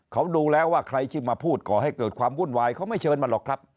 เขาดูแล้วว่าใครที่มาพูดก่อให้เกิดความวุ่นวายเขาไม่เชิญมาหรอกครับ